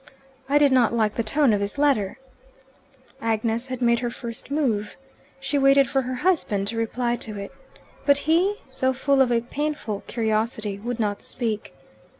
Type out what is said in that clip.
"I did not like the tone of his letter." Agnes had made her first move. She waited for her husband to reply to it. But he, though full of a painful curiosity, would not speak.